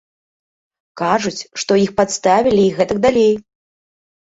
Кажуць, што іх падставілі і гэтак далей.